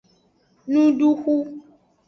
Nuduxu.